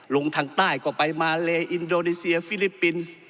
ลงทางใต้ก็ไปมาเลอินโดนีเซียฟิลิปปินส์